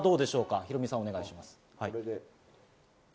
ヒロミさん、お願いします。